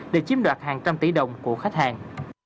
để chiếm đoạt hàng trăm tỷ đồng của khách hàng